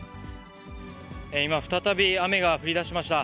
今、再び雨が降りだしました。